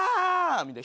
みたいな。